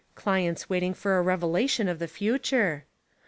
Clients waiting for a revelation of the future.